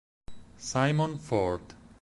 Simon Ford